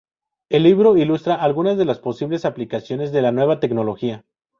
El libro ilustra algunas de las posibles aplicaciones de la nueva tecnología.